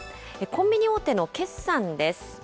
コンビニ大手の決算です。